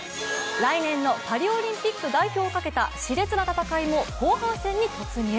来年のパリオリンピック代表をかけたしれつな戦いも後半戦に突入。